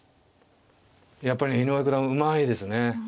やっぱりね井上九段うまいですね。